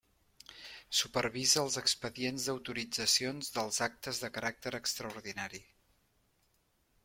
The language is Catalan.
Supervisa els expedients d'autoritzacions dels actes de caràcter extraordinari.